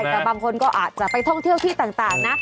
แต่บางคนก็อาจจะไปท่องเที่ยวที่ต่างนะ